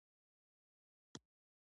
تېمورشاه پوځ سره پېښور ته رسېدلی.